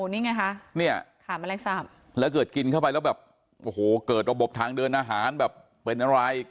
นี่ไงคะเนี่ยขาแมลงสาบแล้วเกิดกินเข้าไปแล้วแบบโอ้โหเกิดระบบทางเดินอาหารแบบเป็นอะไร